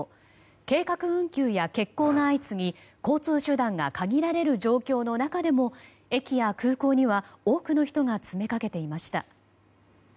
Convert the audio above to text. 計画運休や欠航が相次ぎ交通手段が限られる状況の中でも駅や空港には多くの人が詰めかけていました。